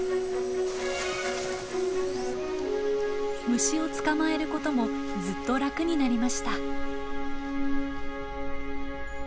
虫を捕まえることもずっと楽になりました。